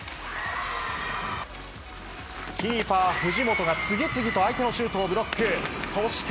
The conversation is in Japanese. キーパー、藤本が次々と相手のシュートをブロック。